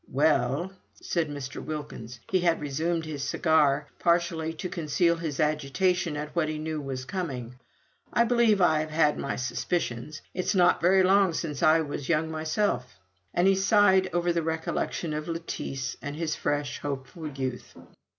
"Well," said Mr. Wilkins he had resumed his cigar, partly to conceal his agitation at what he knew was coming "I believe I have had my suspicions. It is not very long since I was young myself." And he sighed over the recollection of Lettice, and his fresh, hopeful youth.